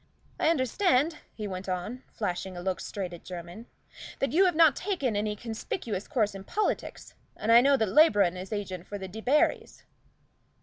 I understand," he went on, flashing a look straight at Jermyn, "that you have not taken any conspicuous course in politics, and I know that Labron is agent for the Debarrys."